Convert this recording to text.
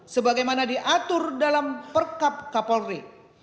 sebagaimana diatur dalam perkap kapolri